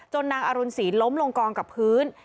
นางอรุณศรีล้มลงกองกับพื้น